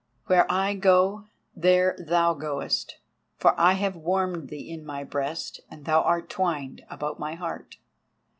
"Where I go there thou goest, for I have warmed thee in my breast and thou art twined about my heart."